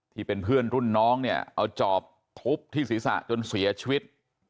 ที่เป็นเพื่อนรุ่นน้องเนี่ยเอาจอบทุบที่ศีรษะจนเสียชีวิต